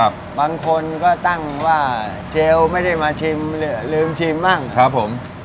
บางคนก็ตั้งว่าเชลล์ไม่ได้มาชิมลืมชิมบ้าง